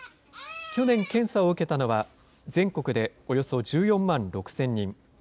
去年検査を受けたのは、全国でおよそ１４万６０００人。